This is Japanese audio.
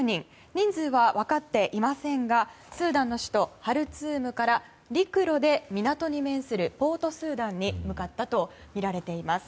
人数は分かっていませんがスーダンの首都ハルツームから陸路で港に面するポートスーダンに向かったとみられています。